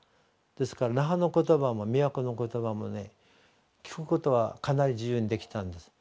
ですから那覇の言葉も宮古の言葉もね聞くことはかなり自由にできたんです。